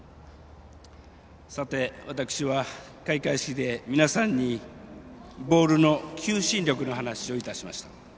さて、私は開会式で皆さんにボールの求心力の話をいたしました。